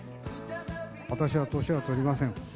私は年は取りません。